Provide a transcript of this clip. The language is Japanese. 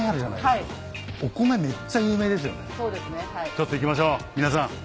ちょっと行きましょう皆さん。